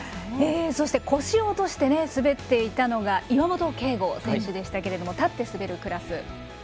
そして、腰を落として滑っていたのが岩本啓吾選手でしたが立って滑るクラス。